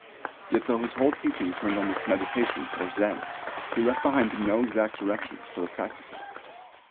Yet though his whole teaching turned on this "meditation" or "Zen," he left behind him no exact directions for the practice of it.